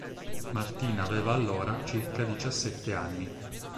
Martina aveva allora circa diciassette anni.